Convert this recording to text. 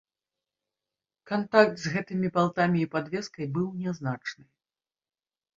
Кантакт з гэтымі балтамі і падвескай быў нязначны.